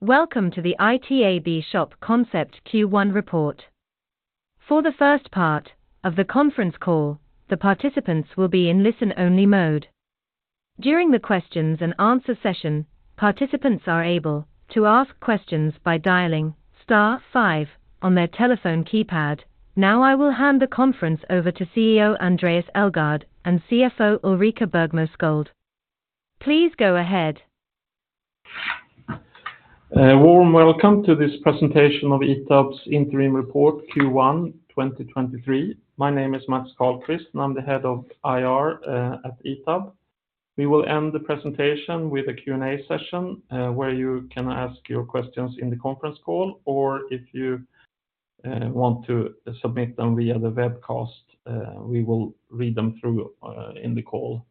Welcome to the ITAB Shop Concept Q1 report. For the first part of the conference call, the participants will be in listen-only mode. During the questions and answer session, participants are able to ask questions by dialing star five on their telephone keypad. I will hand the conference over to CEO Andréas Elgaard and CFO Ulrika Bergmo Sköld. Please go ahead. Warm welcome to this presentation of ITAB's interim report Q1 2023. My name is Mats Karlqvist, and I'm the head of IR at ITAB. We will end the presentation with a Q&A session, where you can ask your questions in the conference call, or if you want to submit them via the webcast, we will read them through in the call.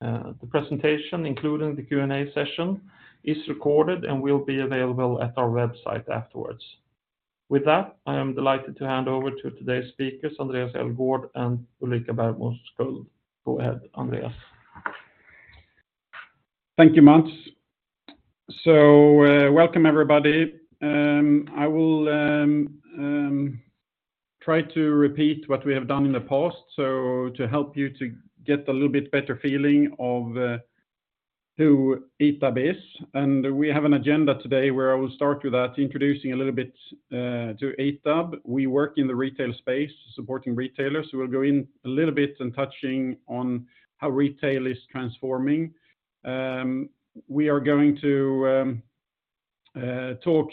The presentation, including the Q&A session, is recorded and will be available at our website afterwards. With that, I am delighted to hand over to today's speakers, Andréas Elgaard and Ulrika Bergmo Sköld. Go ahead, Andréas. Thank you, Mats. Welcome everybody. I will try to repeat what we have done in the past, to help you to get a little bit better feeling of who ITAB is. We have an agenda today where I will start with that, introducing a little bit to ITAB. We work in the retail space supporting retailers. We'll go in a little bit and touching on how retail is transforming. We are going to talk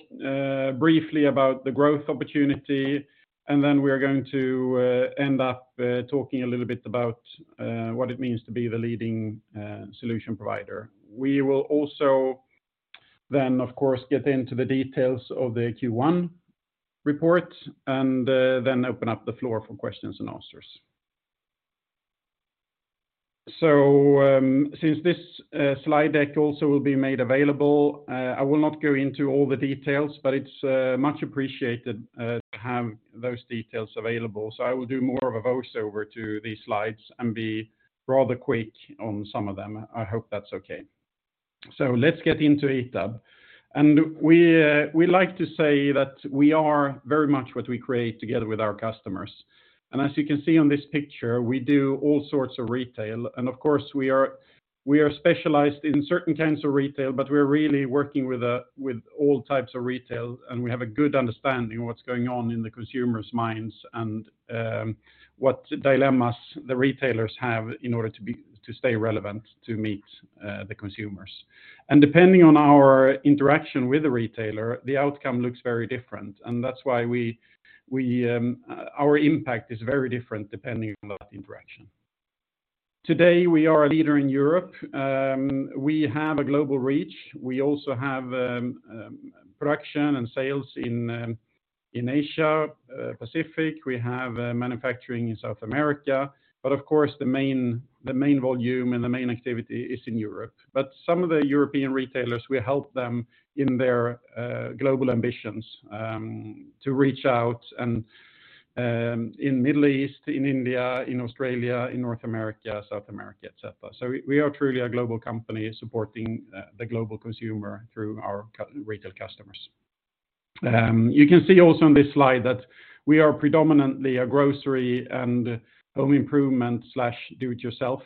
briefly about the growth opportunity, and then we are going to end up talking a little bit about what it means to be the leading solution provider. We will also then, of course, get into the details of the Q1 report and then open up the floor for questions and answers. Since this slide deck also will be made available, I will not go into all the details, but it's much appreciated to have those details available. I will do more of a voice-over to these slides and be rather quick on some of them. I hope that's okay. Let's get into ITAB. We, we like to say that we are very much what we create together with our customers. As you can see on this picture, we do all sorts of retail. Of course, we are, we are specialized in certain kinds of retail, but we're really working with all types of retail, and we have a good understanding of what's going on in the consumers' minds and what dilemmas the retailers have in order to stay relevant to meet the consumers. Depending on our interaction with the retailer, the outcome looks very different. That's why we our impact is very different depending on that interaction. Today, we are a leader in Europe. We have a global reach. We also have production and sales in Asia Pacific. We have manufacturing in South America. Of course, the main volume and the main activity is in Europe. Some of the European retailers, we help them in their global ambitions to reach out and in Middle East, in India, in Australia, in North America, South America, et cetera. We are truly a global company supporting the global consumer through our retail customers. You can see also on this slide that we are predominantly a grocery and home improvement/do-it-yourself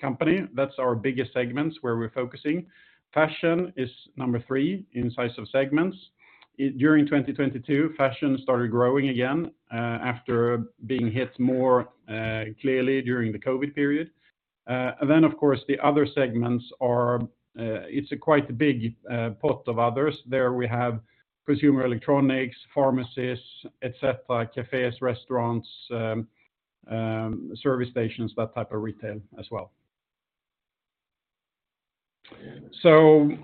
company. That's our biggest segments where we're focusing. Fashion is number three in size of segments. During 2022, fashion started growing again after being hit more clearly during the COVID period. Of course, the other segments are, it's a quite big pot of others. There we have consumer electronics, pharmacies, et cetera, cafes, restaurants, service stations, that type of retail as well.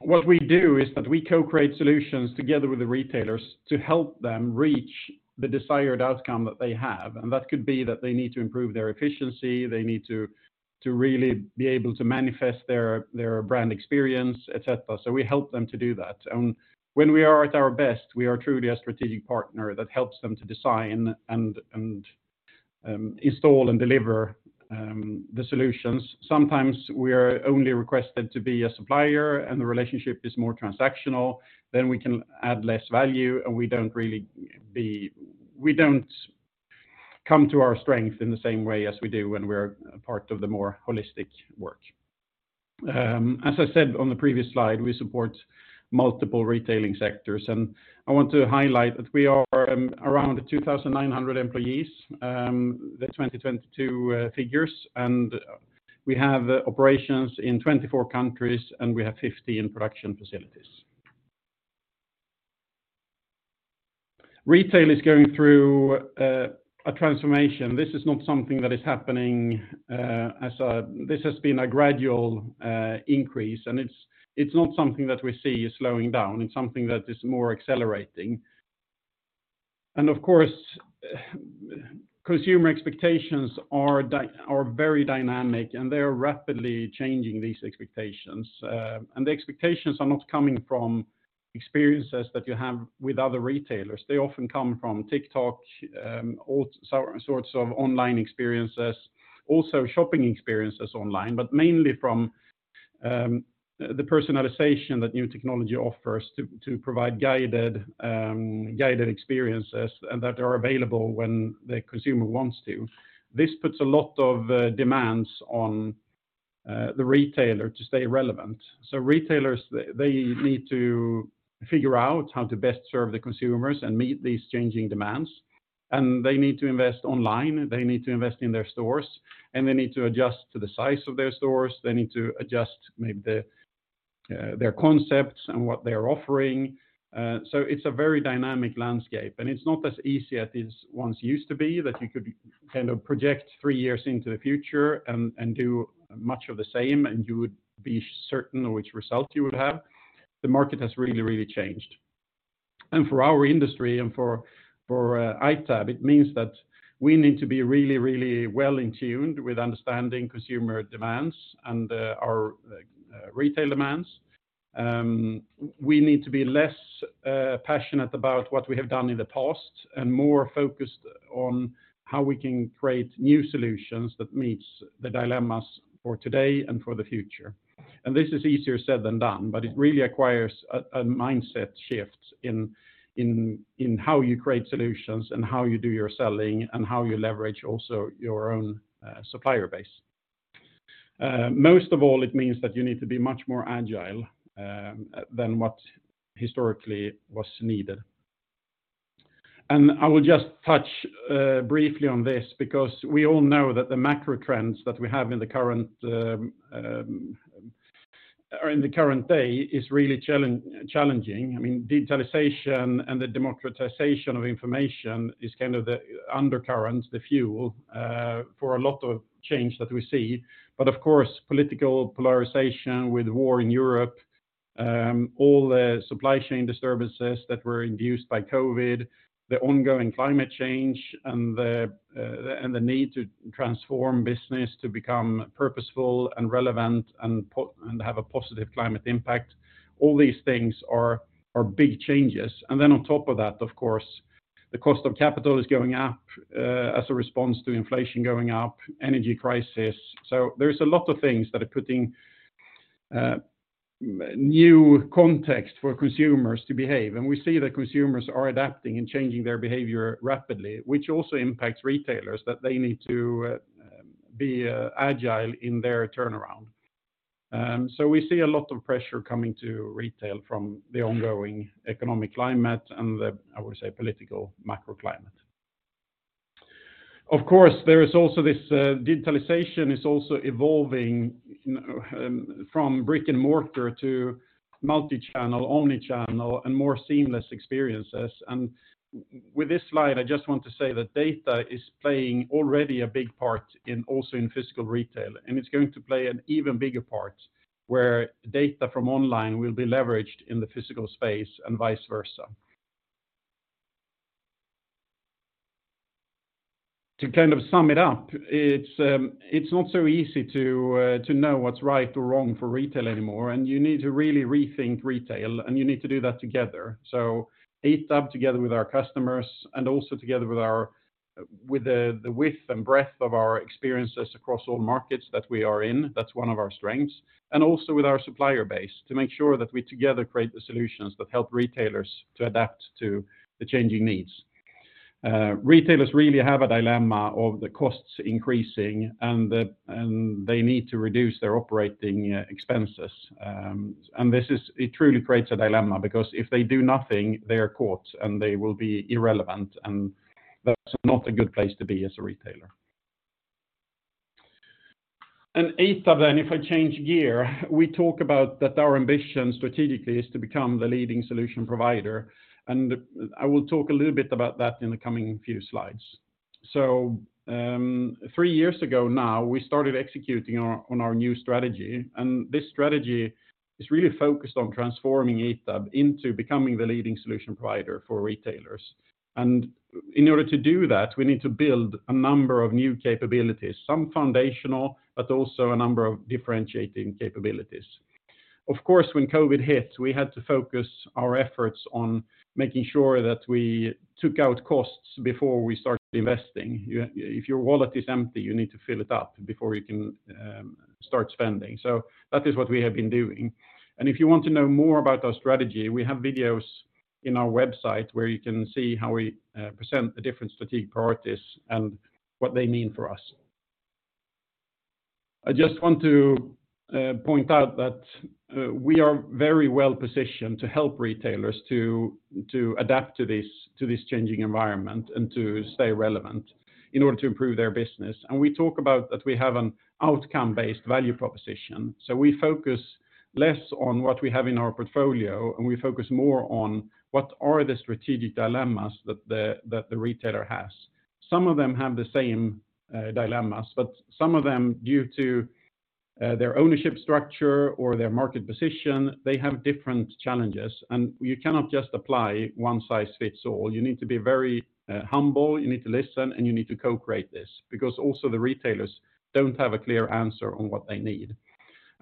What we do is that we co-create solutions together with the retailers to help them reach the desired outcome that they have. That could be that they need to improve their efficiency, they need to really be able to manifest their brand experience, et cetera. We help them to do that. When we are at our best, we are truly a strategic partner that helps them to design and install and deliver the solutions. Sometimes we are only requested to be a supplier, and the relationship is more transactional. We can add less value, and we don't come to our strength in the same way as we do when we're part of the more holistic work. As I said on the previous slide, we support multiple retailing sectors. I want to highlight that we are around 2,900 employees, the 2022 figures. We have operations in 24 countries, and we have 50 in production facilities. Retail is going through a transformation. This is not something that is happening as a... This has been a gradual increase, and it's not something that we see is slowing down. It's something that is more accelerating. Of course, consumer expectations are very dynamic, and they are rapidly changing these expectations. The expectations are not coming from experiences that you have with other retailers. They often come from TikTok, all sorts of online experiences, also shopping experiences online, but mainly from. The personalization that new technology offers to provide guided experiences and that are available when the consumer wants to. This puts a lot of demands on the retailer to stay relevant. Retailers, they need to figure out how to best serve the consumers and meet these changing demands. They need to invest online, they need to invest in their stores, and they need to adjust to the size of their stores. They need to adjust maybe their concepts and what they're offering. It's a very dynamic landscape, and it's not as easy as it once used to be that you could kind of project three years into the future and do much of the same, and you would be certain which result you would have. The market has really, really changed. For our industry and for ITAB, it means that we need to be really, really well in tuned with understanding consumer demands and, our, retail demands. We need to be less passionate about what we have done in the past and more focused on how we can create new solutions that meets the dilemmas for today and for the future. This is easier said than done, but it really acquires a mindset shift in how you create solutions and how you do your selling, and how you leverage also your own supplier base. Most of all, it means that you need to be much more agile than what historically was needed. I will just touch briefly on this because we all know that the macro trends that we have in the current or in the current day is really challenging. I mean, digitalization and the democratization of information is kind of the undercurrent, the fuel, for a lot of change that we see. Of course, political polarization with war in Europe, all the supply chain disturbances that were induced by COVID, the ongoing climate change and the, and the need to transform business to become purposeful and relevant and have a positive climate impact. All these things are big changes. Then on top of that, of course, the cost of capital is going up, as a response to inflation going up, energy crisis. There's a lot of things that are putting new context for consumers to behave. We see that consumers are adapting and changing their behavior rapidly, which also impacts retailers, that they need to, be agile in their turnaround. We see a lot of pressure coming to retail from the ongoing economic climate and the, I would say, political macroclimate. Of course, there is also this digitalization is also evolving from brick and mortar to multichannel, omnichannel, and more seamless experiences. With this slide, I just want to say that data is playing already a big part in, also in physical retail. It's going to play an even bigger part where data from online will be leveraged in the physical space, and vice versa. To kind of sum it up, it's not so easy to know what's right or wrong for retail anymore. You need to really rethink retail, and you need to do that together. ITAB together with our customers and also together with our... with the width and breadth of our experiences across all markets that we are in, that's one of our strengths, and also with our supplier base to make sure that we together create the solutions that help retailers to adapt to the changing needs. Retailers really have a dilemma of the costs increasing and they need to reduce their operating expenses. It truly creates a dilemma because if they do nothing, they are caught and they will be irrelevant, and that's not a good place to be as a retailer. ITAB then, if I change gear, we talk about that our ambition strategically is to become the leading solution provider, and I will talk a little bit about that in the coming few slides. Three years ago now, we started executing on our new strategy, and this strategy is really focused on transforming ITAB into becoming the leading solution provider for retailers. In order to do that, we need to build a number of new capabilities, some foundational, but also a number of differentiating capabilities. Of course, when COVID hit, we had to focus our efforts on making sure that we took out costs before we start investing. If your wallet is empty, you need to fill it up before you can start spending. That is what we have been doing. If you want to know more about our strategy, we have videos in our website where you can see how we present the different strategic priorities and what they mean for us. I just want to point out that we are very well-positioned to help retailers to adapt to this changing environment and to stay relevant in order to improve their business. We talk about that we have an outcome-based value proposition. We focus less on what we have in our portfolio, and we focus more on what are the strategic dilemmas that the retailer has. Some of them have the same dilemmas, but some of them, due to their ownership structure or their market position, they have different challenges. You cannot just apply one size fits all. You need to be very humble, you need to listen, and you need to co-create this because also the retailers don't have a clear answer on what they need.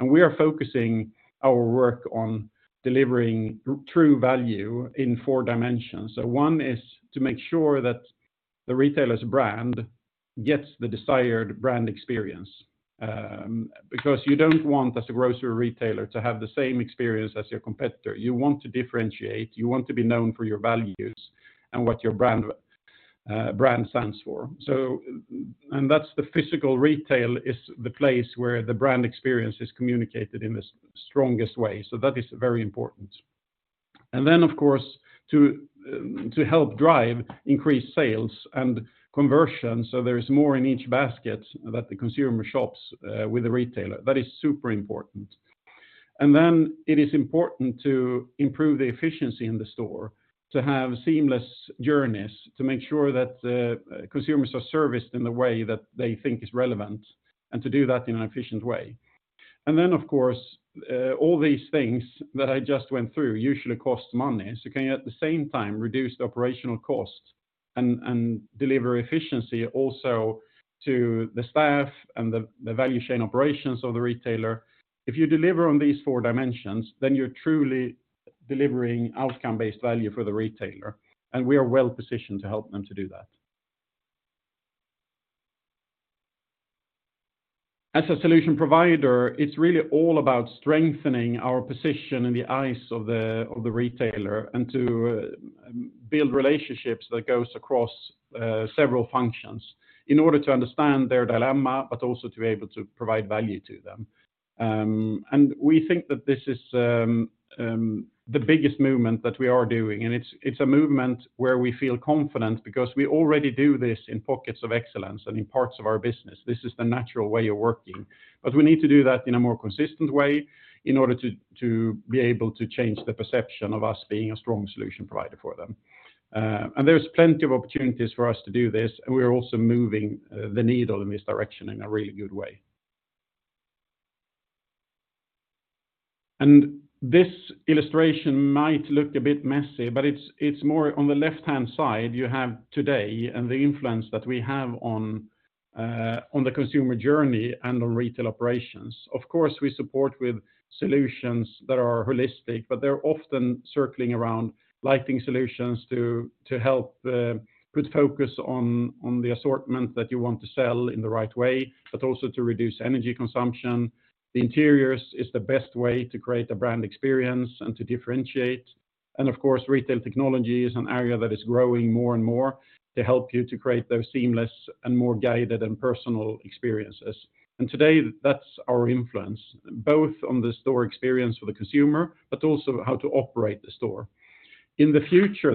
We are focusing our work on delivering true value in four dimensions. One is to make sure the retailer's brand gets the desired brand experience. Because you don't want as a grocery retailer to have the same experience as your competitor. You want to differentiate, you want to be known for your values and what your brand stands for. That's the physical retail is the place where the brand experience is communicated in the strongest way. That is very important. Then of course, to help drive increased sales and conversion, so there is more in each basket that the consumer shops with the retailer. That is super important. It is important to improve the efficiency in the store, to have seamless journeys, to make sure that the consumers are serviced in the way that they think is relevant, and to do that in an efficient way. Of course, all these things that I just went through usually cost money. Can you at the same time reduce the operational cost and deliver efficiency also to the staff and the value chain operations of the retailer? If you deliver on these four dimensions, you're truly delivering outcome-based value for the retailer, and we are well-positioned to help them to do that. As a solution provider, it's really all about strengthening our position in the eyes of the retailer and to build relationships that goes across several functions in order to understand their dilemma, but also to be able to provide value to them. We think that this is the biggest movement that we are doing. It's a movement where we feel confident because we already do this in pockets of excellence and in parts of our business. This is the natural way of working. We need to do that in a more consistent way in order to be able to change the perception of us being a strong solution provider for them. There's plenty of opportunities for us to do this, and we are also moving the needle in this direction in a really good way. This illustration might look a bit messy, but it's more on the left-hand side you have today and the influence that we have on the consumer journey and on retail operations. Of course, we support with solutions that are holistic, but they're often circling around lighting solutions to help put focus on the assortment that you want to sell in the right way, but also to reduce energy consumption. The interiors is the best way to create a brand experience and to differentiate. Of course, retail technology is an area that is growing more and more to help you to create those seamless and more guided and personal experiences. Today, that's our influence, both on the store experience for the consumer, but also how to operate the store. In the future,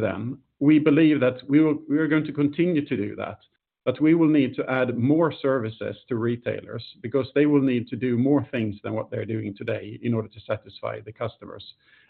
we believe that we are going to continue to do that, but we will need to add more services to retailers because they will need to do more things than what they're doing today in order to satisfy the customers.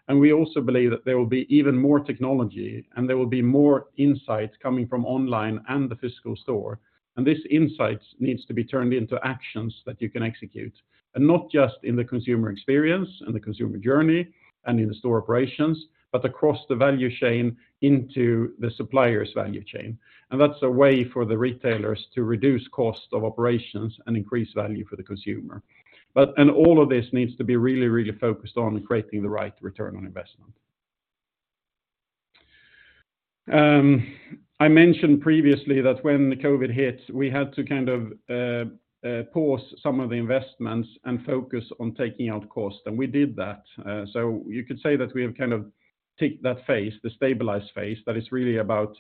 We also believe that there will be even more technology and there will be more insights coming from online and the physical store. These insights needs to be turned into actions that you can execute, and not just in the consumer experience and the consumer journey and in the store operations, but across the value chain into the supplier's value chain. That's a way for the retailers to reduce cost of operations and increase value for the consumer. All of this needs to be really focused on creating the right Return on Investment. I mentioned previously that when the COVID hit, we had to kind of pause some of the investments and focus on taking out cost, and we did that. You could say that we have kind of ticked that phase, the stabilized phase, that is really about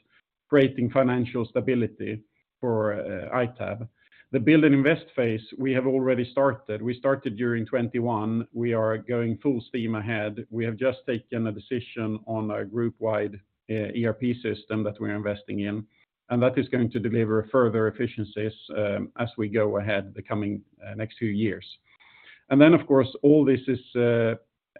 creating financial stability for ITAB. The build and invest phase, we have already started. We started during 2021. We are going full steam ahead. We have just taken a decision on a group-wide ERP system that we're investing in, and that is going to deliver further efficiencies as we go ahead the coming next few years. Of course, all this is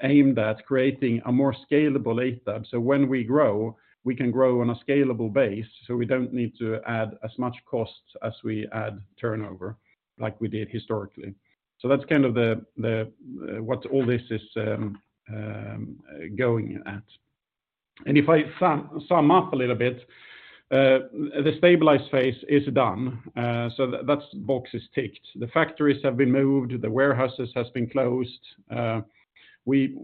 aimed at creating a more scalable ITAB. When we grow, we can grow on a scalable base, so we don't need to add as much costs as we add turnover like we did historically. That's kind of the what all this is going at. If I sum up a little bit, the stabilized phase is done. That box is ticked. The factories have been moved, the warehouses has been closed. We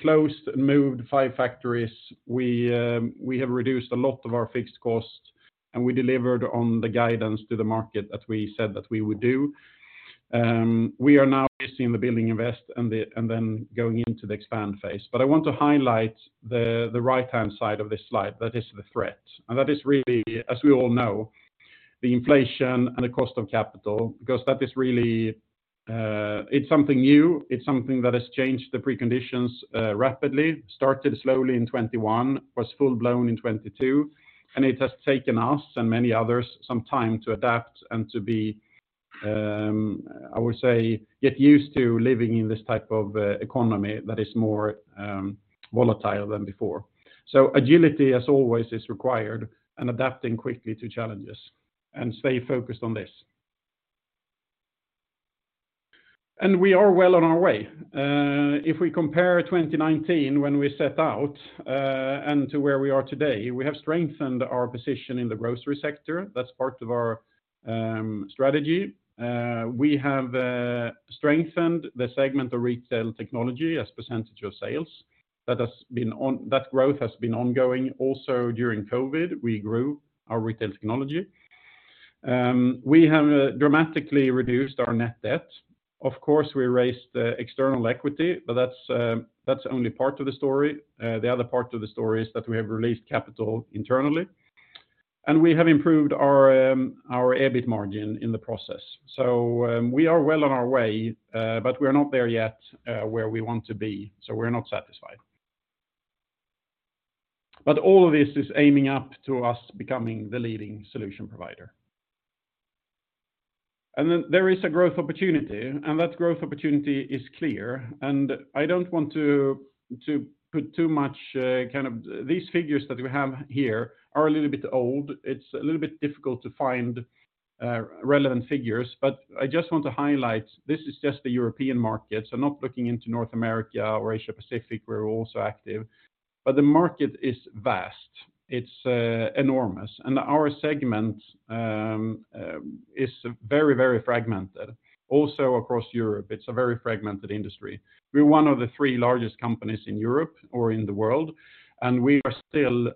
closed and moved 5 factories. We have reduced a lot of our fixed costs, and we delivered on the guidance to the market that we said that we would do. We are now facing the build and invest and then going into the expand phase. I want to highlight the right-hand side of this slide, that is the threat. That is really, as we all know, the inflation and the cost of capital, because that is really, it's something new. It's something that has changed the preconditions rapidly, started slowly in 2021, was full-blown in 2022, and it has taken us and many others some time to adapt and to be, I would say, get used to living in this type of economy that is more volatile than before. Agility, as always, is required and adapting quickly to challenges and stay focused on this. We are well on our way. If we compare 2019 when we set out and to where we are today, we have strengthened our position in the grocery sector. That's part of our strategy. We have strengthened the segment of retail technology as percentage of sales. That growth has been ongoing. During COVID, we grew our retail technology. We have dramatically reduced our net debt. Of course, we raised the external equity, but that's only part of the story. The other part of the story is that we have released capital internally, and we have improved our EBIT margin in the process. We are well on our way, but we're not there yet, where we want to be, so we're not satisfied. All of this is aiming up to us becoming the leading solution provider. There is a growth opportunity, and that growth opportunity is clear. I don't want to put too much kind of... These figures that we have here are a little bit old. It's a little bit difficult to find relevant figures. I just want to highlight this is just the European market, so not looking into North America or Asia-Pacific, where we're also active. The market is vast. It's enormous. Our segment is very, very fragmented. Also across Europe, it's a very fragmented industry. We're one of the three largest companies in Europe or in the world, and we still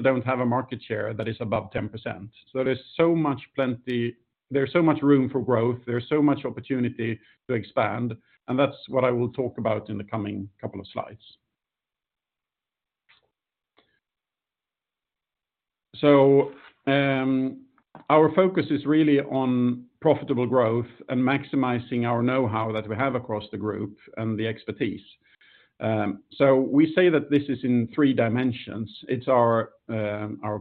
don't have a market share that is above 10%. There's so much room for growth, there's so much opportunity to expand, and that's what I will talk about in the coming couple of slides. Our focus is really on profitable growth and maximizing our know-how that we have across the group and the expertise. We say that this is in three dimensions. It's our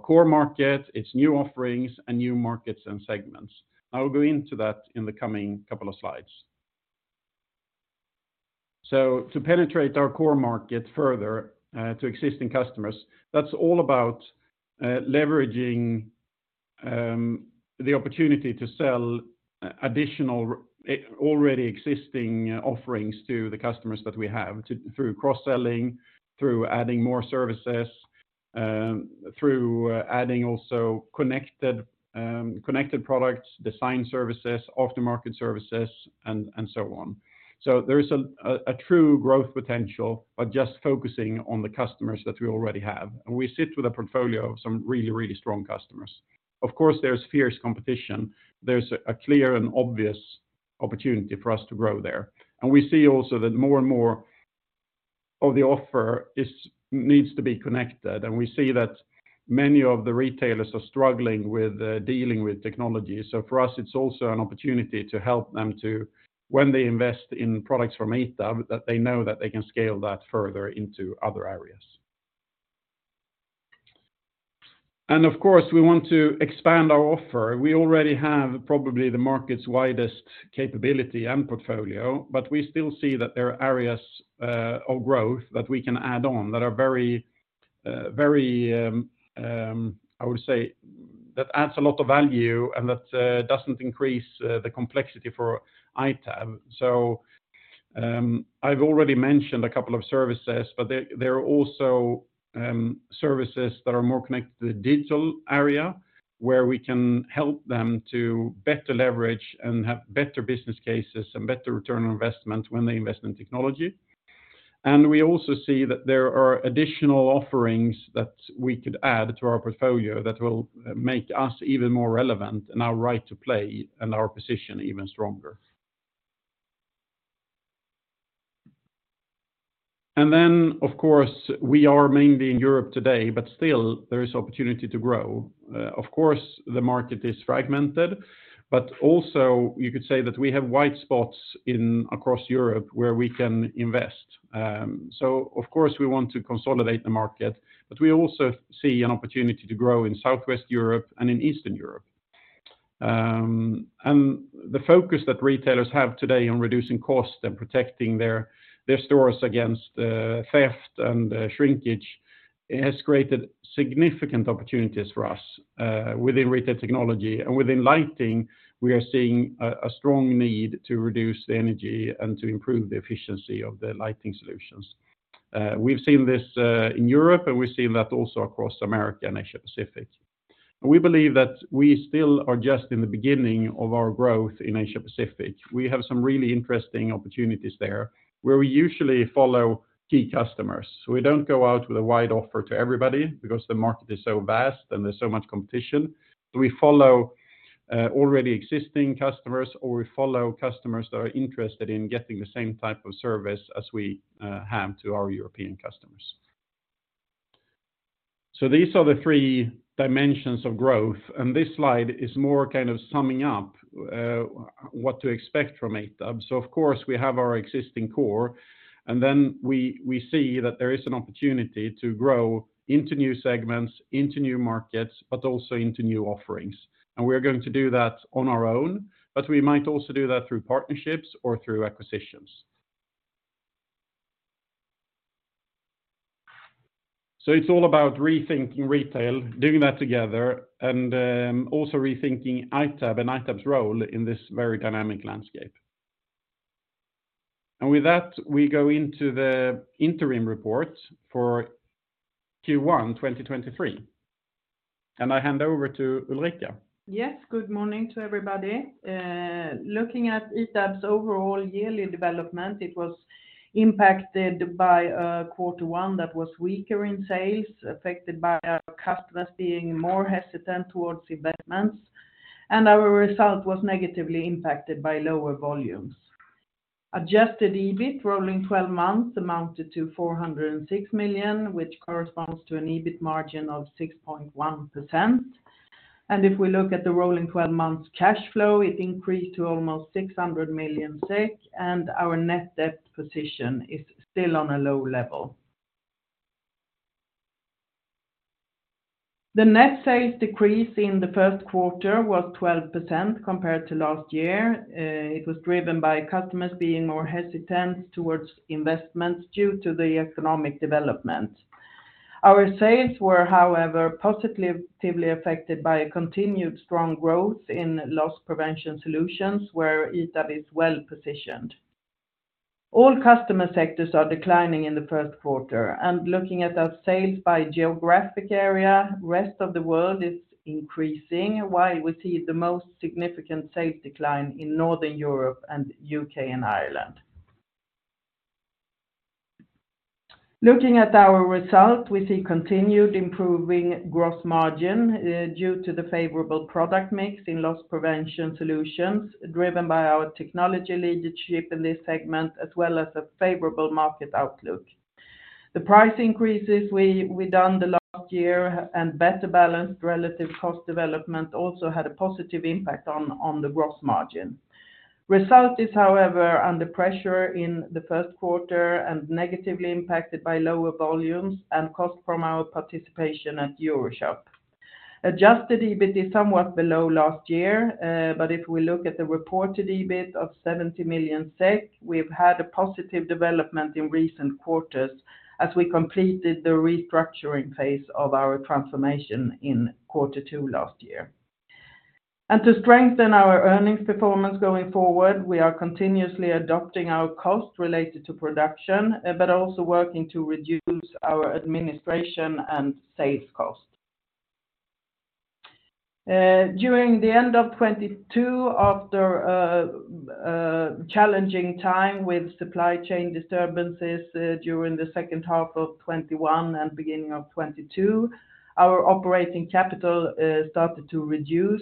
core market, it's new offerings, and new markets and segments. I will go into that in the coming couple of slides. To penetrate our core market further, to existing customers, that's all about leveraging the opportunity to sell additional, already existing offerings to the customers that we have through cross-selling, through adding more services, through adding also connected products, design services, aftermarket services, and so on. There is a true growth potential by just focusing on the customers that we already have. We sit with a portfolio of some really strong customers. Of course, there's fierce competition. There's a clear and obvious opportunity for us to grow there. We see also that more and more of the offer needs to be connected, and we see that many of the retailers are struggling with dealing with technology. For us, it's also an opportunity to help them to, when they invest in products from ITAB, that they know that they can scale that further into other areas. Of course, we want to expand our offer. We already have probably the market's widest capability and portfolio, but we still see that there are areas of growth that we can add on that are very, very, I would say that adds a lot of value and that doesn't increase the complexity for ITAB. I've already mentioned a couple of services, but there are also services that are more connected to the digital area where we can help them to better leverage and have better business cases and better return on investment when they invest in technology. We also see that there are additional offerings that we could add to our portfolio that will make us even more relevant and our right to play and our position even stronger. Of course, we are mainly in Europe today, but still there is opportunity to grow. Of course, the market is fragmented, but also you could say that we have wide spots in across Europe where we can invest. Of course, we want to consolidate the market, but we also see an opportunity to grow in Southwest Europe and in Eastern Europe. The focus that retailers have today on reducing costs and protecting their stores against theft and shrinkage has created significant opportunities for us within retail technology. Within lighting, we are seeing a strong need to reduce the energy and to improve the efficiency of the lighting solutions. We've seen this in Europe, and we've seen that also across America and Asia-Pacific. We believe that we still are just in the beginning of our growth in Asia-Pacific. We have some really interesting opportunities there where we usually follow key customers. We don't go out with a wide offer to everybody because the market is so vast and there's so much competition. We follow already existing customers or we follow customers that are interested in getting the same type of service as we have to our European customers. These are the three dimensions of growth, and this slide is more kind of summing up what to expect from ITAB. Of course, we have our existing core and then we see that there is an opportunity to grow into new segments, into new markets, but also into new offerings. We are going to do that on our own, but we might also do that through partnerships or through acquisitions. It's all about rethinking retail, doing that together, and also rethinking ITAB and ITAB's role in this very dynamic landscape. With that, we go into the interim reports for Q1 2023. I hand over to Ulrika. Yes. Good morning to everybody. Looking at ITAB's overall yearly development, it was impacted by a Q1 that was weaker in sales, affected by our customers being more hesitant towards investments. Our result was negatively impacted by lower volumes. Adjusted EBIT rolling 12 months amounted to 406 million, which corresponds to an EBIT margin of 6.1%. If we look at the rolling 12 months cash flow, it increased to almost 600 million SEK, and our net debt position is still on a low level. The net sales decrease in the Q1 was 12% compared to last year. It was driven by customers being more hesitant towards investments due to the economic development. Our sales were, however, positively affected by a continued strong growth in loss prevention solutions where ITAB is well-positioned. All customer sectors are declining in the first quarter. Looking at our sales by geographic area, rest of the world is increasing while we see the most significant sales decline in Northern Europe and UK and Ireland. Looking at our result, we see continued improving gross margin due to the favorable product mix in loss prevention solutions driven by our technology leadership in this segment, as well as a favorable market outlook. The price increases we done the last year and better balanced relative cost development also had a positive impact on the gross margin. Result is, however, under pressure in the first quarter and negatively impacted by lower volumes and cost from our participation at EuroShop. Adjusted EBIT is somewhat below last year. If we look at the reported EBIT of 70 million SEK, we've had a positive development in recent quarters as we completed the restructuring phase of our transformation in quarter two last year. To strengthen our earnings performance going forward, we are continuously adopting our cost related to production, but also working to reduce our administration and sales cost. During the end of 2022, after a challenging time with supply chain disturbances, during the second half of 2021 and beginning of 2022, our operating capital started to reduce.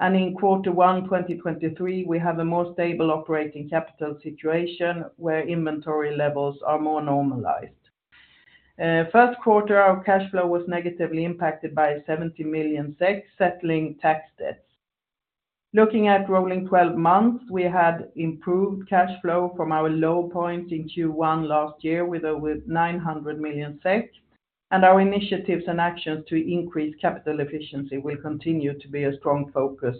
In quarter one, 2023, we have a more stable operating capital situation where inventory levels are more normalized. First quarter, our cash flow was negatively impacted by 70 million settling tax debts. Looking at rolling 12 months, we had improved cash flow from our low point in Q1 last year with over 900 million SEK. Our initiatives and actions to increase capital efficiency will continue to be a strong focus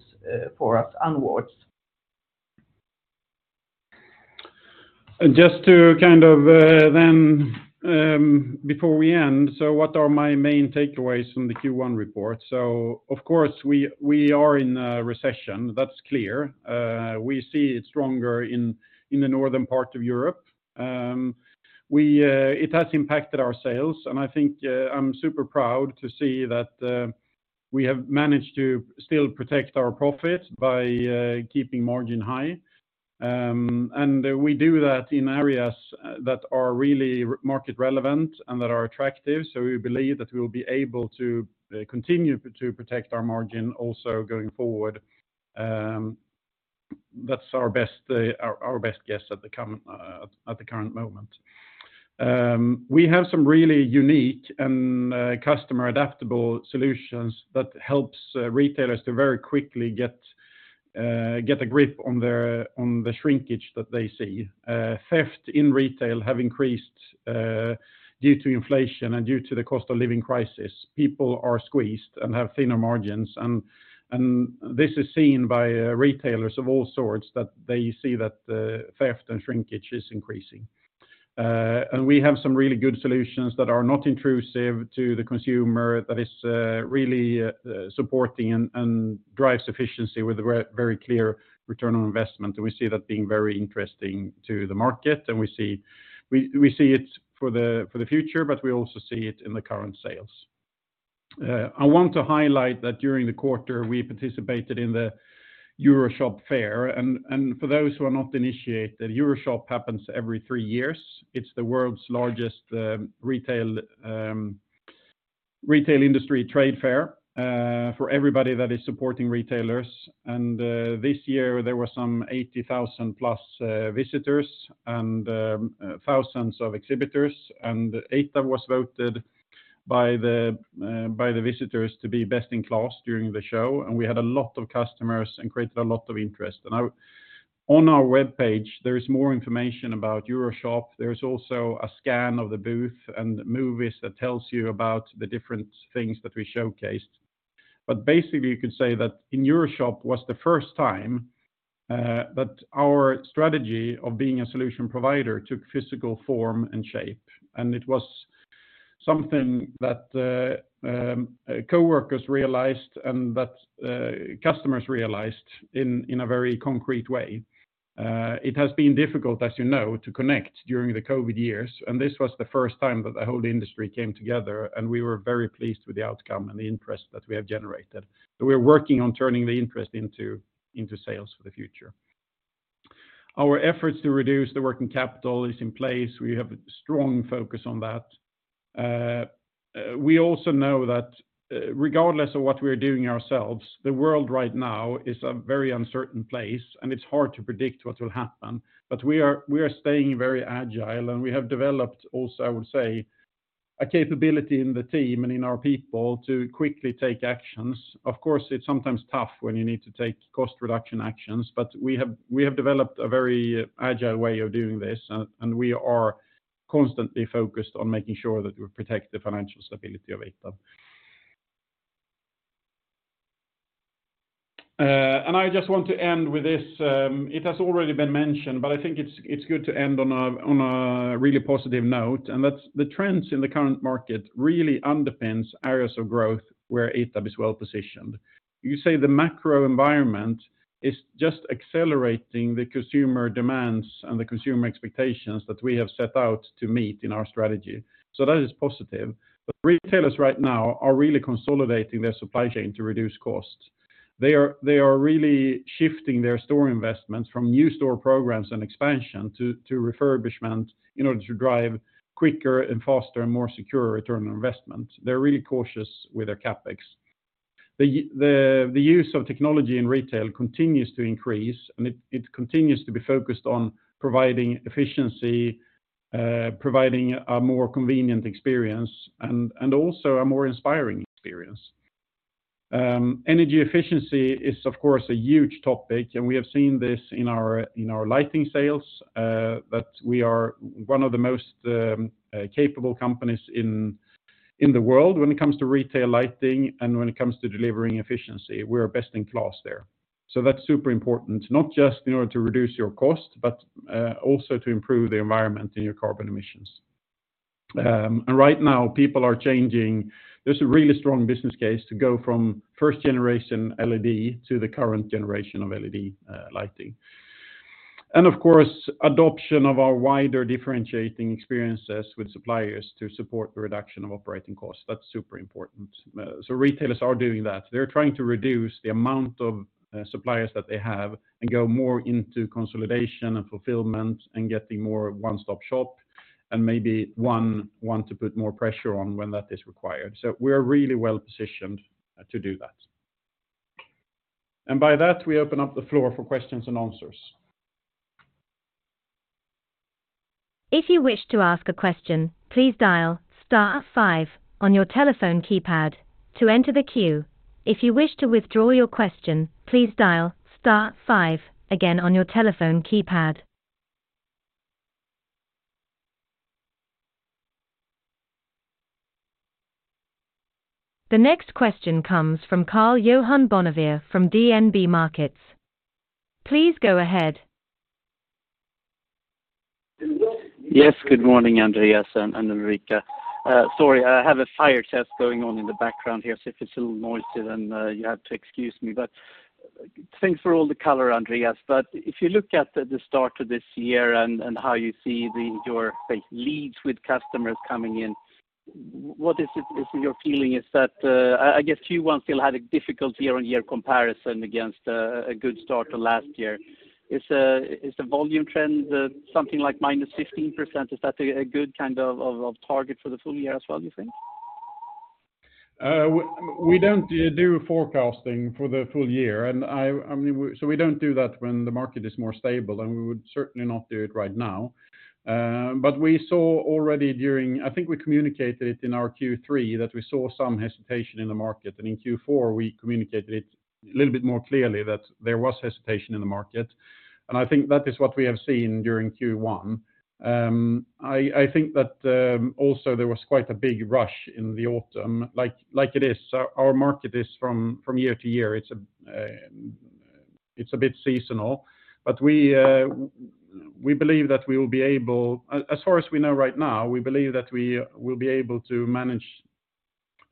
for us onwards. Just to kind of, then, before we end, what are my main takeaways from the Q1 report? Of course, we are in a recession. That's clear. We see it stronger in the northern part of Europe. It has impacted our sales, and I think, I'm super proud to see that, we have managed to still protect our profit by keeping margin high. We do that in areas that are really market relevant and that are attractive, so we believe that we'll be able to continue to protect our margin also going forward. That's our best guess at the current, at the current moment. We have some really unique and customer adaptable solutions that helps retailers to very quickly get a grip on their, on the shrinkage that they see. Theft in retail have increased due to inflation and due to the cost of living crisis. People are squeezed and have thinner margins, and this is seen by retailers of all sorts that they see that theft and shrinkage is increasing. We have some really good solutions that are not intrusive to the consumer that is really supporting and drives efficiency with a very clear return on investment. We see that being very interesting to the market, and we see it for the future, but we also see it in the current sales. I want to highlight that during the quarter we participated in the EuroShop Fair. For those who are not initiated, EuroShop happens every three years. It's the world's largest retail industry trade fair for everybody that is supporting retailers. This year there were some 80,000 plus visitors and thousands of exhibitors. ITAB was voted by the visitors to be best in class during the show. We had a lot of customers and created a lot of interest. On our webpage, there is more information about EuroShop. There is also a scan of the booth and movies that tells you about the different things that we showcased. Basically you could say that in EuroShop was the first time that our strategy of being a solution provider took physical form and shape. It was something that coworkers realized and that customers realized in a very concrete way. It has been difficult, as you know, to connect during the COVID years, and this was the first time that the whole industry came together, and we were very pleased with the outcome and the interest that we have generated. We're working on turning the interest into sales for the future. Our efforts to reduce the working capital is in place. We have a strong focus on that. We also know that, regardless of what we are doing ourselves, the world right now is a very uncertain place, and it's hard to predict what will happen. We are staying very agile, and we have developed also, I would say, a capability in the team and in our people to quickly take actions. Of course, it's sometimes tough when you need to take cost reduction actions. We have developed a very agile way of doing this, and we are constantly focused on making sure that we protect the financial stability of ITAB. I just want to end with this. It has already been mentioned, I think it's good to end on a really positive note, that's the trends in the current market really underpins areas of growth where ITAB is well-positioned. You say the macro environment is just accelerating the consumer demands and the consumer expectations that we have set out to meet in our strategy. That is positive. Retailers right now are really consolidating their supply chain to reduce costs. They are really shifting their store investments from new store programs and expansion to refurbishment in order to drive quicker and faster and more secure return on investment. They're really cautious with their CapEx. The use of technology in retail continues to increase, and it continues to be focused on providing efficiency, providing a more convenient experience and also a more inspiring experience. Energy efficiency is, of course, a huge topic, and we have seen this in our lighting sales, but we are one of the most capable companies in the world when it comes to retail lighting and when it comes to delivering efficiency. We're best in class there. That's super important, not just in order to reduce your cost, but also to improve the environment in your carbon emissions. Right now people are changing... There's a really strong business case to go from first generation LED to the current generation of LED lighting. Of course, adoption of our wider differentiating experiences with suppliers to support the reduction of operating costs. That's super important. Retailers are doing that. They're trying to reduce the amount of suppliers that they have and go more into consolidation and fulfillment and getting more one-stop shop and maybe one to put more pressure on when that is required. We're really well-positioned to do that. By that, we open up the floor for questions and answers. If you wish to ask a question, please dial star five on your telephone keypad to enter the queue. If you wish to withdraw your question, please dial star five again on your telephone keypad. The next question comes from Karl-Johan Bonnevier from DNB Markets. Please go ahead. Yes, good morning, Andréas and Ulrika. Sorry, I have a fire test going on in the background here, so if it's a little noisy, then you have to excuse me. Thanks for all the color, Andréas. If you look at the start of this year and how you see your, say, leads with customers coming in, what is your feeling? Is that I guess Q1 still had a difficult year-on-year comparison against a good start to last year. Is the volume trend something like -15%? Is that a good kind of target for the full year as well, you think? We don't do forecasting for the full year, I mean, we don't do that when the market is more stable, we would certainly not do it right now. We saw already. I think we communicated it in our Q3 that we saw some hesitation in the market. In Q4, we communicated it a little bit more clearly that there was hesitation in the market. I think that is what we have seen during Q1. I think that also there was quite a big rush in the autumn, like it is. Our market is from year to year, it's a bit seasonal. We believe that we will be able. As far as we know right now, we believe that we will be able to manage the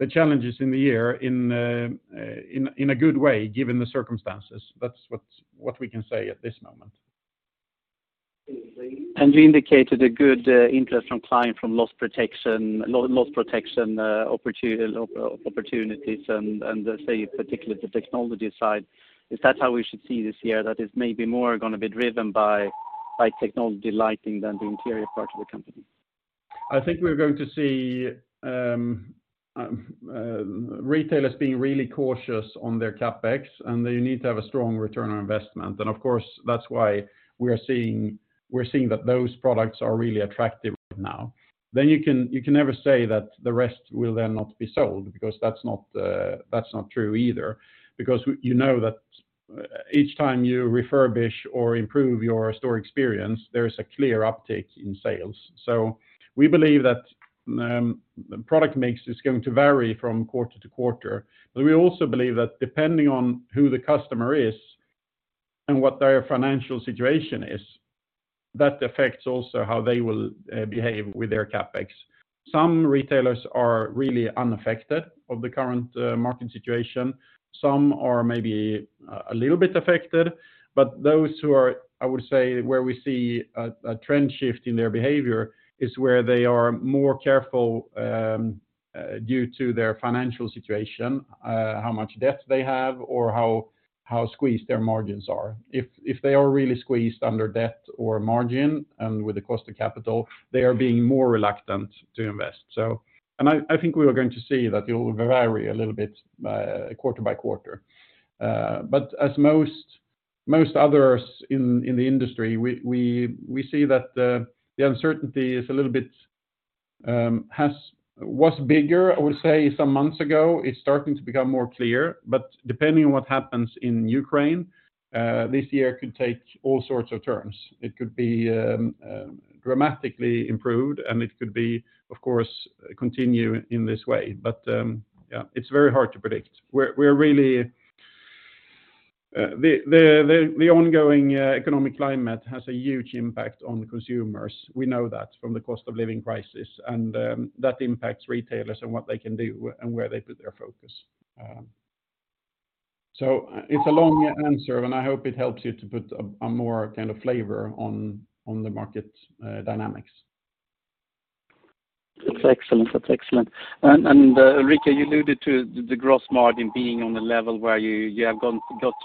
challenges in the year in a good way, given the circumstances. That's what we can say at this moment. You indicated a good interest from client from loss protection opportunities and let's say particularly the technology side. Is that how we should see this year, that it's maybe more gonna be driven by technology lighting than the interior part of the company? I think we're going to see retailers being really cautious on their CapEx, and they need to have a strong return on investment. Of course, that's why we're seeing that those products are really attractive right now. You can never say that the rest will then not be sold because that's not true either. You know that each time you refurbish or improve your store experience, there is a clear uptake in sales. We believe that the product mix is going to vary from quarter to quarter. We also believe that depending on who the customer is and what their financial situation is, that affects also how they will behave with their CapEx. Some retailers are really unaffected of the current market situation. Some are maybe a little bit affected, but those who are, I would say, where we see a trend shift in their behavior is where they are more careful due to their financial situation, how much debt they have or how squeezed their margins are. If they are really squeezed under debt or margin and with the cost of capital, they are being more reluctant to invest, so. I think we are going to see that it will vary a little bit quarter by quarter. As most others in the industry, we see that the uncertainty is a little bit was bigger, I would say some months ago. It's starting to become more clear, but depending on what happens in Ukraine, this year could take all sorts of turns. It could be dramatically improved, and it could be, of course, continue in this way. Yeah, it's very hard to predict. We're really the ongoing economic climate has a huge impact on consumers. We know that from the cost of living crisis, and that impacts retailers and what they can do and where they put their focus. It's a long answer, and I hope it helps you to put a more kind of flavor on the market dynamics. That's excellent. That's excellent. Ulrika, you alluded to the gross margin being on the level where you have got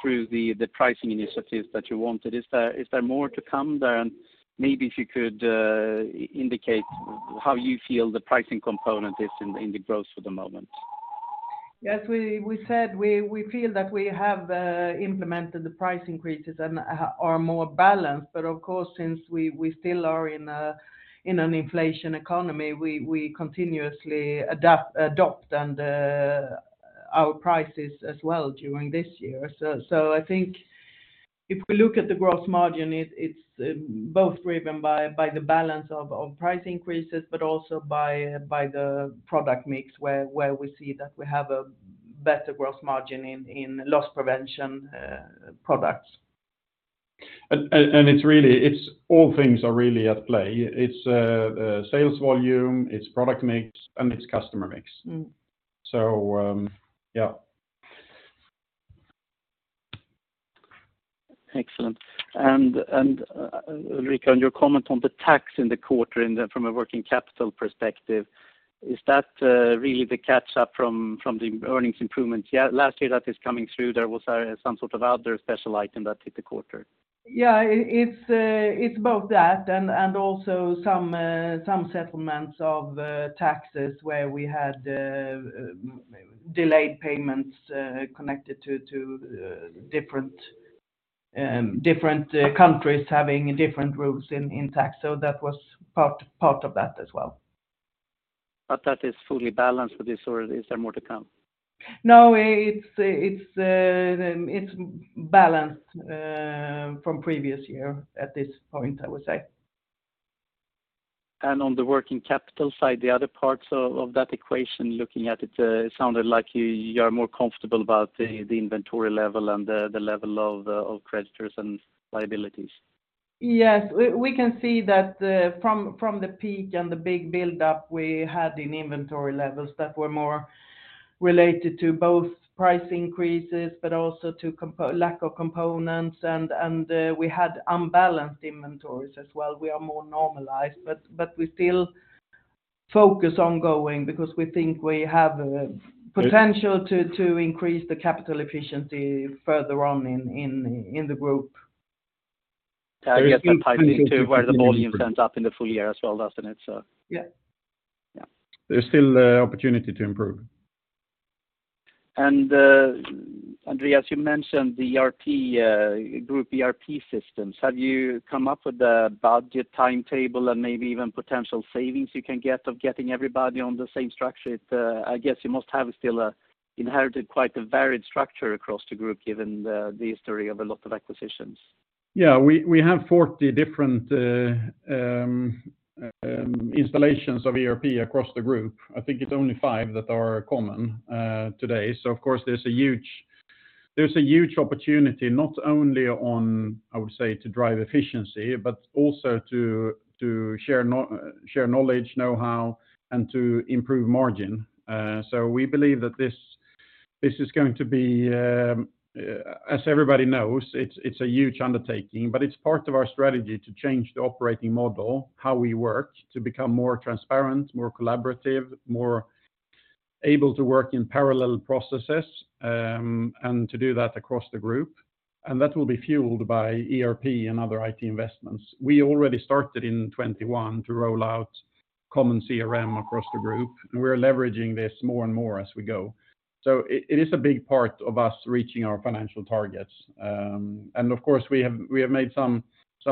through the pricing initiatives that you wanted. Is there more to come there? Maybe if you could indicate how you feel the pricing component is in the gross for the moment? Yes, we said we feel that we have implemented the price increases and are more balanced. Of course, since we still are in an inflation economy, we continuously adopt and our prices as well during this year. I think if we look at the gross margin, it's both driven by the balance of price increases, but also by the product mix where we see that we have a better gross margin in loss prevention products. It's all things are really at play. It's sales volume, it's product mix, and it's customer mix. Mm-hmm. Yeah. Excellent. Ulrika, on your comment on the tax in the quarter from a working capital perspective, is that really the catch up from the earnings improvements last year that is coming through? There was some sort of other special item that hit the quarter. Yeah. It's both that and also some settlements of taxes where we had delayed payments connected to different countries having different rules in tax. That was part of that as well. That is fully balanced with this or is there more to come? No, it's balanced, from previous year at this point, I would say. On the working capital side, the other parts of that equation, looking at it sounded like you are more comfortable about the inventory level and the level of creditors and liabilities. Yes. We can see that from the peak and the big buildup we had in inventory levels that were more related to both price increases, but also to lack of components and we had unbalanced inventories as well. We are more normalized, but we still focus ongoing because we think we have potential to increase the capital efficiency further on in the group. I guess that ties into where the volume turns up in the full year as well, doesn't it? Yeah. Yeah. There's still opportunity to improve. Andréas, you mentioned the ERP, group ERP systems. Have you come up with a budget timetable and maybe even potential savings you can get of getting everybody on the same structure? It, I guess you must have still, inherited quite a varied structure across the group given the history of a lot of acquisitions. Yeah. We have 40 different installations of ERP across the group. I think it's only 5 that are common today. Of course, there's a huge opportunity not only on, I would say, to drive efficiency, but also to share knowledge, know-how, and to improve margin. We believe that this is going to be... As everybody knows, it's a huge undertaking, but it's part of our strategy to change the operating model, how we work to become more transparent, more collaborative, more able to work in parallel processes, and to do that across the group. That will be fueled by ERP and other IT investments. We already started in 2021 to roll out common CRM across the group, and we are leveraging this more and more as we go. It is a big part of us reaching our financial targets. Of course, we have made some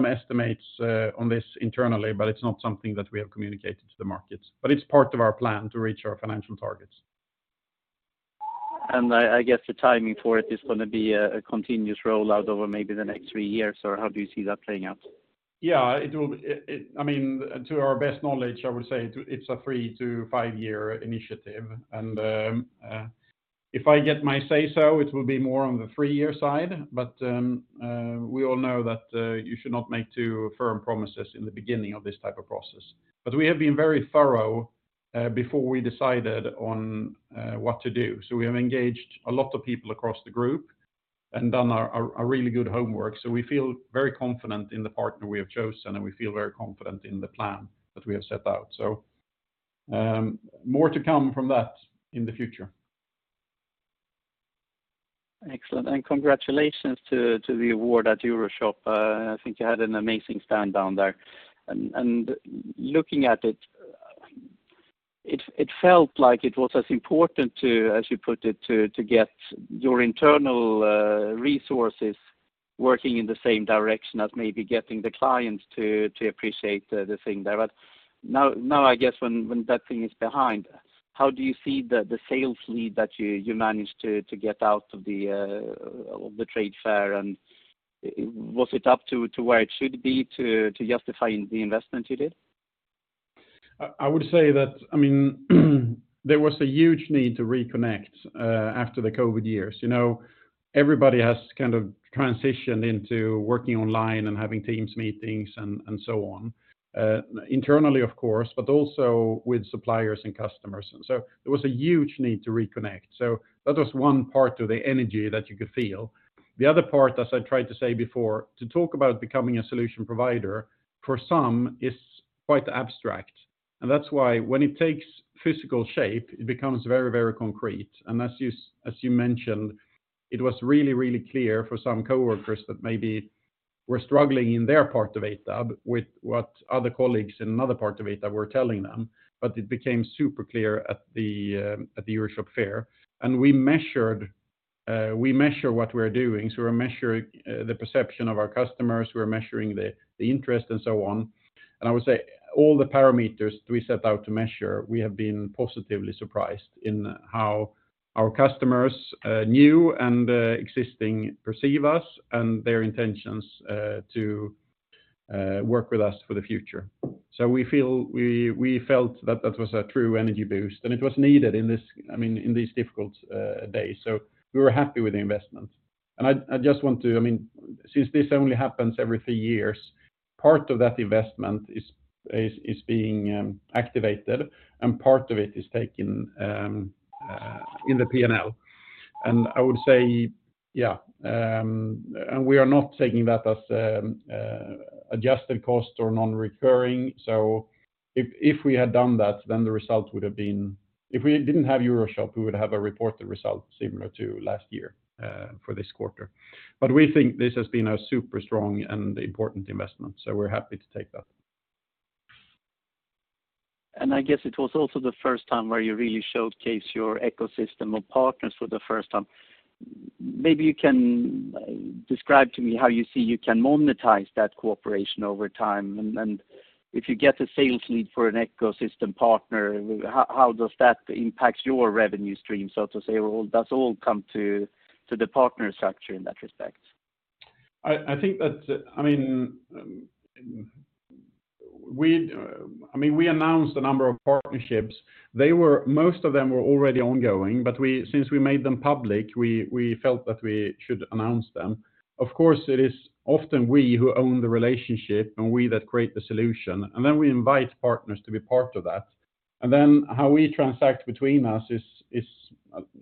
estimates on this internally, but it's not something that we have communicated to the markets. It's part of our plan to reach our financial targets. I guess the timing for it is gonna be a continuous roll out over maybe the next three years, or how do you see that playing out? Yeah. I mean, to our best knowledge, I would say it's a three to five-year initiative. If I get my say-so, it will be more on the three-year side. We all know that you should not make too firm promises in the beginning of this type of process. We have been very thorough before we decided on what to do. We have engaged a lot of people across the group and done our really good homework. We feel very confident in the partner we have chosen, and we feel very confident in the plan that we have set out. More to come from that in the future. Excellent. Congratulations to the award at EuroShop. I think you had an amazing stand down there. Looking at it felt like it was as important to, as you put it, to get your internal resources working in the same direction as maybe getting the clients to appreciate the thing there. Now, I guess when that thing is behind, how do you see the sales lead that you managed to get out of the trade fair? Was it up to where it should be to justify the investment you did? I would say that, I mean, there was a huge need to reconnect after the COVID years. You know, everybody has kind of transitioned into working online and having Teams meetings and so on. Internally, of course, but also with suppliers and customers. There was a huge need to reconnect. That was one part of the energy that you could feel. The other part, as I tried to say before, to talk about becoming a solution provider, for some, is quite abstract. That's why when it takes physical shape, it becomes very concrete. As you mentioned, it was really clear for some coworkers that maybe were struggling in their part of ITAB with what other colleagues in another part of ITAB were telling them. It became super clear at the EuroShop fair. We measure what we're doing, so we're measuring the perception of our customers, we're measuring the interest and so on. I would say all the parameters we set out to measure, we have been positively surprised in how our customers, new and existing perceive us and their intentions to work with us for the future. We felt that that was a true energy boost, and it was needed in this, I mean, in these difficult days. We were happy with the investment. I just want to... I mean, since this only happens every three years, part of that investment is being activated, and part of it is taking in the P&L. I would say, yeah, and we are not taking that as adjusted cost or non-recurring. If we had done that, then the result would have been... If we didn't have EuroShop, we would have a reported result similar to last year for this quarter. We think this has been a super strong and important investment, so we're happy to take that. I guess it was also the first time where you really showcased your ecosystem of partners for the first time. Maybe you can describe to me how you see you can monetize that cooperation over time. If you get a sales lead for an ecosystem partner, how does that impact your revenue stream, so to say? Or does it all come to the partner structure in that respect? I think that, I mean, we announced a number of partnerships. Most of them were already ongoing, but since we made them public, we felt that we should announce them. Of course, it is often we who own the relationship and we that create the solution, then we invite partners to be part of that. How we transact between us is,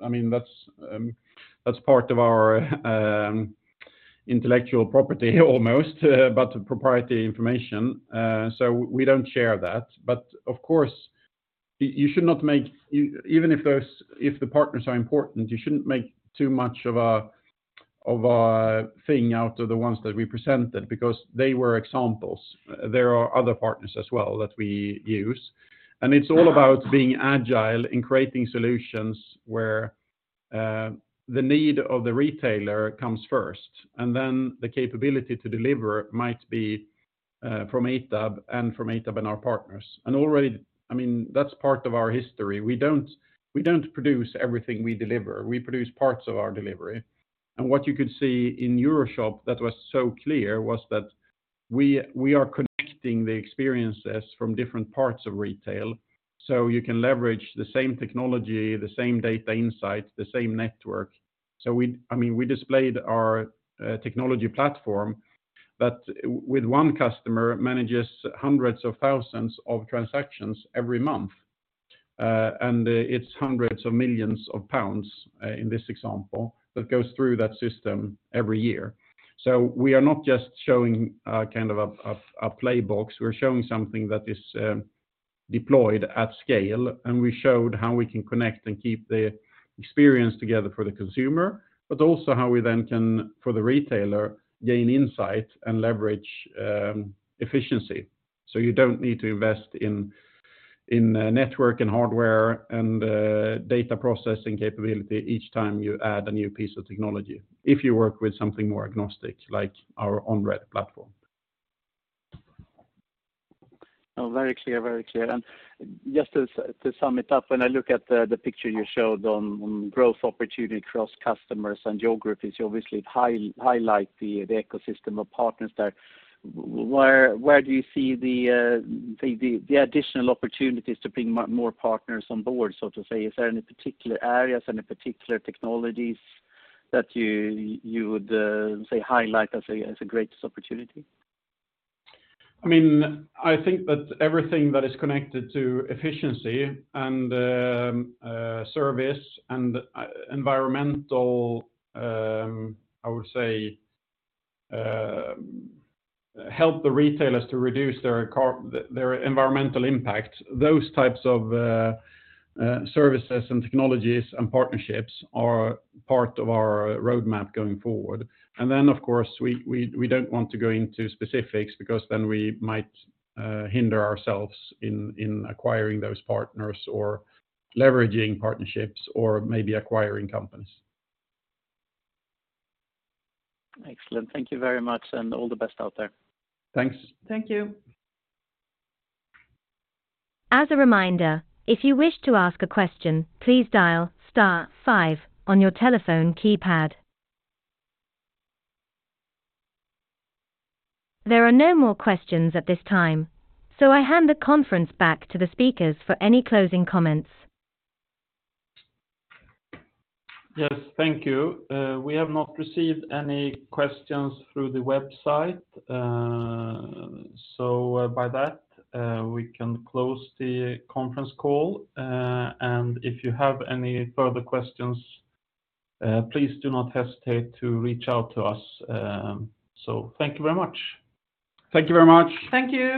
I mean, that's part of our intellectual property almost, but proprietary information, so we don't share that. Of course, you should not make. Even if those, if the partners are important, you shouldn't make too much of a thing out of the ones that we presented because they were examples. There are other partners as well that we use. It's all about being agile in creating solutions where, the need of the retailer comes first, and then the capability to deliver might be, from ITAB and our partners. Already, I mean, that's part of our history. We don't produce everything we deliver. We produce parts of our delivery. What you could see in EuroShop that was so clear was that we are connecting the experiences from different parts of retail, so you can leverage the same technology, the same data insight, the same network. I mean, we displayed our technology platform that with one customer manages hundreds of thousands of transactions every month. It's hundreds of millions of GBP, in this example, that goes through that system every year. We are not just showing a kind of a playbook, we're showing something that is deployed at scale, and we showed how we can connect and keep the experience together for the consumer, but also how we then can, for the retailer, gain insight and leverage efficiency. You don't need to invest in network and hardware and data processing capability each time you add a new piece of technology if you work with something more agnostic like our OnRed platform. Oh, very clear. Very clear. Just to sum it up, when I look at the picture you showed on growth opportunity across customers and geographies, you obviously highlight the ecosystem of partners there. Where do you see the additional opportunities to bring more partners on board, so to say? Is there any particular areas, any particular technologies that you would say, highlight as a greatest opportunity? I mean, I think that everything that is connected to efficiency and service and environmental, I would say, help the retailers to reduce their environmental impact, those types of services and technologies and partnerships are part of our roadmap going forward. Of course, we don't want to go into specifics because then we might hinder ourselves in acquiring those partners or leveraging partnerships or maybe acquiring companies. Excellent. Thank you very much, and all the best out there. Thanks. Thank you. As a reminder, if you wish to ask a question, please dial star five on your telephone keypad. There are no more questions at this time. I hand the conference back to the speakers for any closing comments. Yes, thank you. We have not received any questions through the website, so by that, we can close the conference call. If you have any further questions, please do not hesitate to reach out to us. Thank you very much. Thank you very much. Thank you.